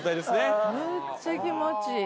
むっちゃ気持ちいい。